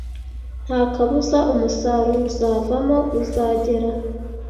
nta kabuza umusaruro uzavamo uzagera